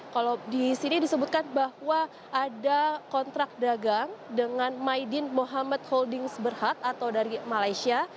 kalau di sini disebutkan bahwa ada kontrak dagang dengan maidin mohamed holdings berhad atau dari malaysia